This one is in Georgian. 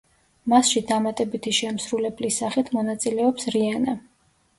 მასში დამატებითი შემსრულებლის სახით მონაწილეობს რიანა.